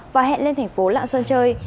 và hẹn lên tp lạng sơn chơi